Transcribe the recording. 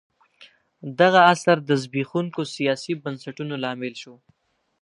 دغه عصر د زبېښونکو سیاسي بنسټونو لامل شو.